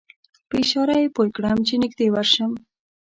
په اشاره یې پوی کړم چې نږدې ورشم.